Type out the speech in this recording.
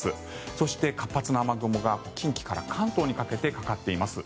そして、活発な雨雲が近畿から関東にかけてかかっています。